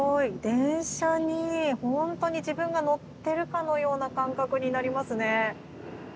電車に本当に自分が乗ってるかのような感覚になりますね。